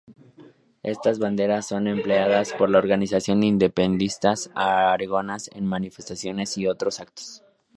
Estas banderas son empleadas por las organizaciones independentistas aragonesas en manifestaciones y otros actos.